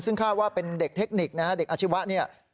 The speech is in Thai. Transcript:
ซึ่งคาดว่าเป็นเด็กเทคนิคนะฮะเด็กอาชีวะเนี่ย